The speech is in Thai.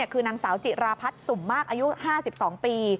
คือนางสาวจิราพัฒน์สุ่มมากอายุ๕๒ปี